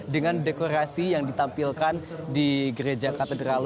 dengan dekorasi yang ditampilkan di gereja katedral